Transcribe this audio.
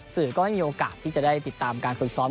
ก็ไม่มีโอกาสที่จะได้ติดตามการฝึกซ้อม